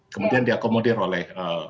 kemudian diakomodir oleh